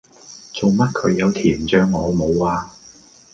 做乜佢有甜醬我冇呀